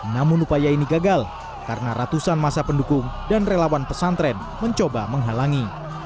namun upaya ini gagal karena ratusan masa pendukung dan relawan pesantren mencoba menghalangi